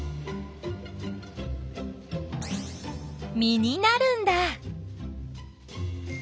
実になるんだ。